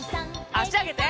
あしあげて。